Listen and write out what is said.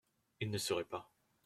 Il ne seraient pas.